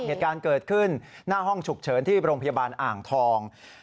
เหตุการณ์เกิดขึ้นหน้าห้องฉุกเฉินที่โรงพยาบาลอ่างทอง